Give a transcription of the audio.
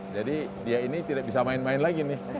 jadi dia ini tidak bisa main main lagi nih